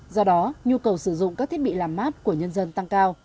do đó nhu cầu sử dụng các thiết bị làm mát của nhân dân tăng cao